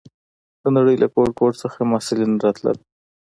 د نړۍ له ګوټ ګوټ څخه محصلین راتلل.